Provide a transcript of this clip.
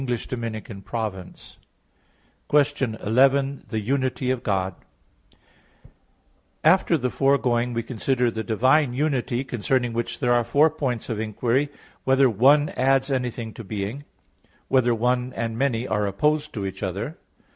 _______________________ QUESTION 11 THE UNITY OF GOD (In Four Articles) After the foregoing, we consider the divine unity; concerning which there are four points of inquiry: (1) Whether "one" adds anything to "being"? (2) Whether "one" and "many" are opposed to each other?